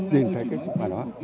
nhìn thấy cái phần đó